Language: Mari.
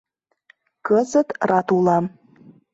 Кызыт рат улам.